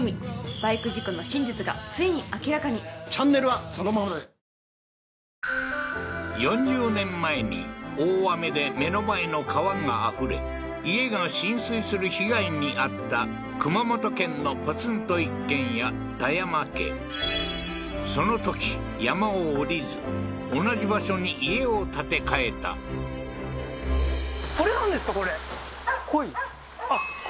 バイク事故の真実がついに明らかにチャンネルはそのままで４０年前に大雨で目の前の川があふれ家が浸水する被害に遭った熊本県のポツンと一軒家田山家そのとき山を下りず同じ場所に家を建て替えたこれあっ鯉